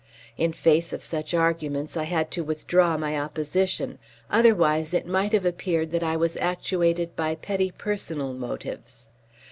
In face of such arguments I had to withdraw my opposition; otherwise it might have appeared that I was actuated by petty personal motives.